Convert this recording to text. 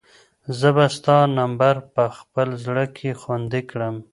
زه به ستا نمبر په خپل زړه کې خوندي کړم.